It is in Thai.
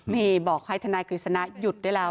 นี่บอกให้ทนายกฤษณะหยุดได้แล้ว